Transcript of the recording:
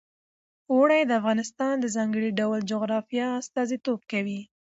اوړي د افغانستان د ځانګړي ډول جغرافیه استازیتوب کوي.